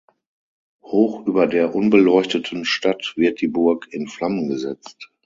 Hoch über der unbeleuchteten Stadt wird die Burg „in Flammen gesetzt“.